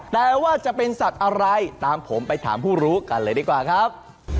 แต่ว่าจะเป็นสัตว์อะไรตามผมไปถามผู้รู้กันเลยดีกว่าครับ